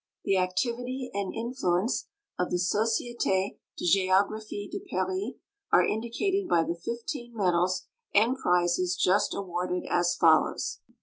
The activity and influence of the Societe de Geographie de Paris are indicated by the fifteen medals and prizes just awarded as follows ; 1.